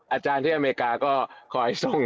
อาจารย์ที่อเมริกาก็คอยส่ง